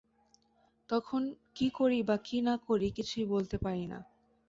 তখন কি করি বা কি না করি কিছুই বলতে পারি না।